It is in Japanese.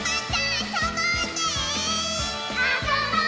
あそぼうね。